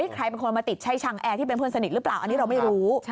ใครเป็นคนมาติดใช้ชังแอร์ที่เป็นเพื่อนสนิทหรือเปล่าอันนี้เราไม่รู้